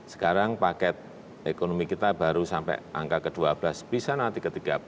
sekarang paket ekonomi kita baru sampai angka ke dua belas bisa nanti ke tiga belas